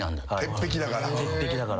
鉄壁だから。